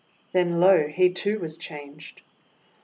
Then, lo! he too was changed.